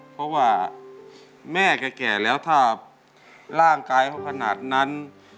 เพราะว่าแม่แก่แล้วถ้าร่างกายเขาขนาดนั้น